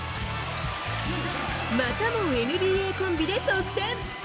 またもＮＢＡコンビで得点。